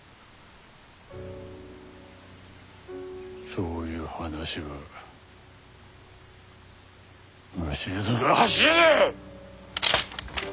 そういう話は虫唾が走る！